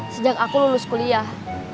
sejak aku lulus kuliah